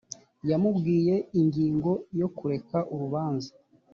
yamubwiye ingingo yo kureka urubanza .